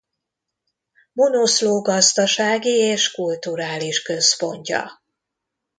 Monoszló gazdasági és kulturális központja.